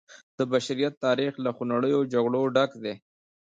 د بشریت تاریخ له خونړیو جګړو ډک دی.